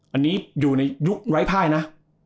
อันนี้อยู่ในยุคไร้ภายนะ